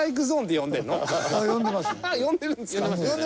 呼んでるんですか？